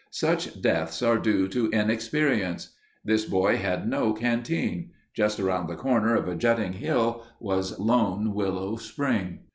Such deaths are due to inexperience. This boy had no canteen. Just around the corner of a jutting hill was Lone Willow Spring.